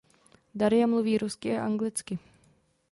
Darja mluví rusky a anglicky.